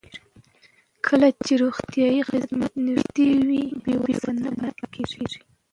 کله چې روغتیايي خدمات نږدې وي، بې وسۍ نه پاتې کېږي.